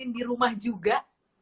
di rumah juga